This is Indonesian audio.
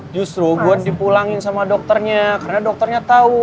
justru gua dipulangin sama dokternya karena dokternya tau